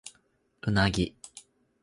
うなぎ